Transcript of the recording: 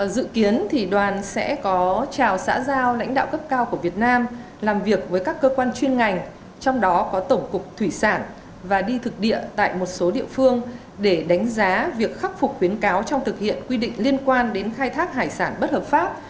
dự kiến đoàn sẽ có trào xã giao lãnh đạo cấp cao của việt nam làm việc với các cơ quan chuyên ngành trong đó có tổng cục thủy sản và đi thực địa tại một số địa phương để đánh giá việc khắc phục khuyến cáo trong thực hiện quy định liên quan đến khai thác hải sản bất hợp pháp